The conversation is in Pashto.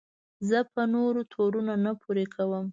زه په نورو تورونه نه پورې کوم.